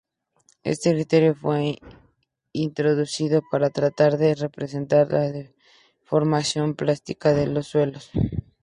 Este criterio fue introducido para tratar de representar la deformación plástica de los suelos.